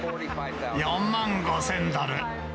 ４万５０００ドル。